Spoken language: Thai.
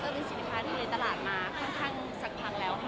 เป็นสินค้าที่อยู่ในตลาดมาค่อนข้างสักพักแล้วค่ะ